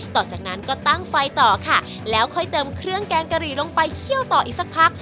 ต่อจากนั้นก็ตั้งไฟต่อค่ะแล้วค่อยเติมเครื่องแกงกะหรี่ลงไปเคี่ยวต่ออีกสักพัก